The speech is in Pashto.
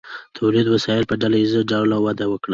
تولیدي وسایلو په ډله ایز ډول وده وکړه.